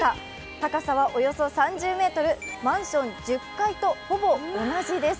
高さはおよそ３０ｍ、マンション１０階とほぼ同じです。